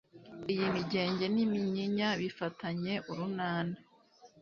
Iyi migenge n'iminyinya bifatanye urunana,